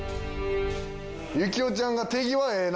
行雄ちゃんが手際ええな。